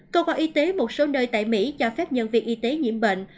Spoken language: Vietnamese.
cơ quan y tế một số nơi tại mỹ cho phép nhân viên y tế nhiễm bệnh